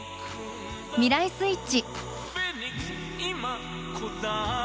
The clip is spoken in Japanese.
「未来スイッチ」。